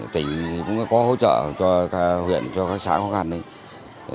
tỉnh thì cũng có hỗ trợ cho huyện cho các xã khó khăn đấy